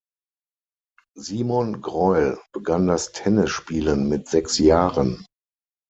Simon Greul begann das Tennisspielen mit sechs Jahren.